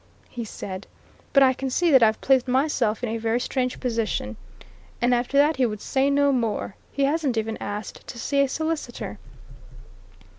he said. 'But I can see that I've placed myself in a very strange position.' And after that he would say no more he hasn't even asked to see a solicitor."